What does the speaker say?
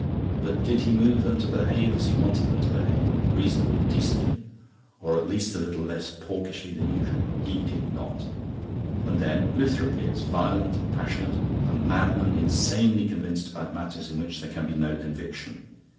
But did he move them to behave as he wanted them to behave reasonably, decently, or at least a little less porkishly than usual? He did not. And then Luther appears, violent, passionate, a madman insanely convinced about matters in which there can be no conviction.